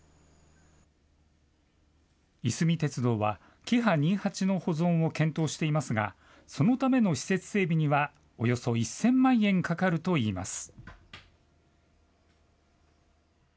いすみ鉄道は、キハ２８の保存を検討していますが、そのための施設整備にはおよそ１０００万円かかるといいます。